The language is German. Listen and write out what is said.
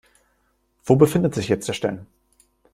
Wo befindet sich jetzt der Stein?